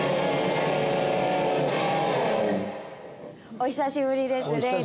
お久しぶりです。